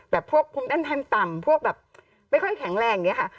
แบบพวกภูมิด้านทันต่ำพวกแบบไม่ค่อยแข็งแรงอย่างนี้ค่ะ